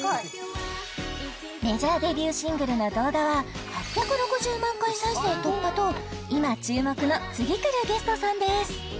メジャーデビューシングルの動画は８６０万回再生突破と今注目の次くるゲストさんです